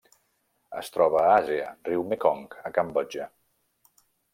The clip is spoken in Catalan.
Es troba a Àsia: riu Mekong a Cambodja.